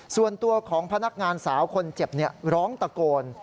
ส่วนตัวของพนักงานสาวคนเจ็บร้องตะโกน